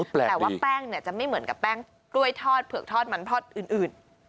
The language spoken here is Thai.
แต่ว่าแป้งเนี่ยจะไม่เหมือนกับแป้งกล้วยทอดเผือกทอดมันทอดอื่น